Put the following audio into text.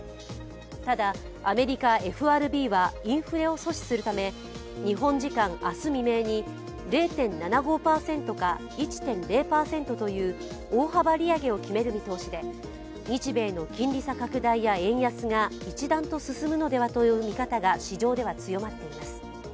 ただアメリカ・ＦＲＢは、インフレを阻止するため日本時間明日未明に０．７５％か１．０％という大幅利上げを決める見通しで日米の金利差拡大や円安が一段と進むのではという見方が市場では強まっています。